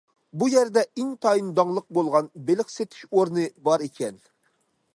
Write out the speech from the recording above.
بۇ يەردە ئىنتايىن داڭلىق بولغان بېلىق سېتىش ئورنى بار ئىكەن.